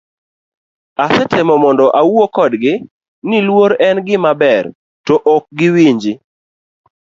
Asetemo mondo awuo kodgi, ni luor en gima ber, to ok giwinji.